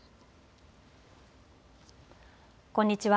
こんにちは。